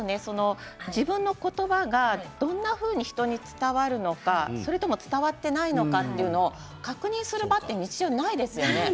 自分の言葉がどんなふうに人に伝わるのかそれとも伝わっていないのかというのを確認する場って日常ないですよね。